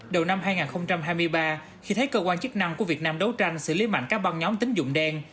đầu năm hai nghìn hai mươi ba khi thấy cơ quan chức năng của việt nam đấu tranh xử lý mạnh các băng nhóm tính dụng đen